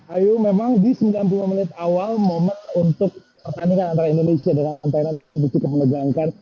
ayo memang di sembilan puluh lima menit awal momen untuk pertandingan antara indonesia dengan thailand kita melegankan